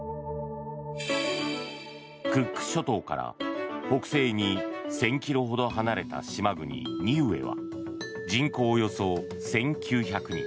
クック諸島から北西に１０００ｋｍほど離れた島国、ニウエは人口およそ１９００人。